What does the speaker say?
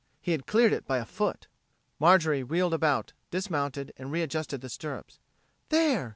He had cleared it by a foot. Marjorie wheeled about, dismounted, and readjusted the stirrups. "There!"